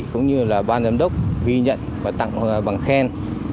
cũng như là ban giám đốc ghi nhận và tặng bằng khen